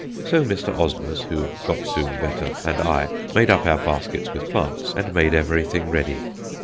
So Mr. Osmers who got soon better and I, made up our baskets with plants, and made everything ready.